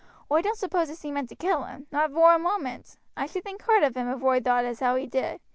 Oi don't suppose as he meant to kill him not vor a moment. I should think hard of him if oi thowt as how he did.